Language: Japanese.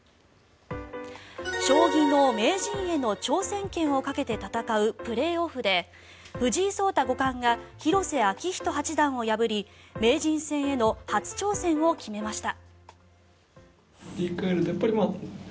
将棋の名人への挑戦権をかけて戦うプレーオフで藤井聡太五冠が広瀬章人八段を破り名人戦への初挑戦を決めました。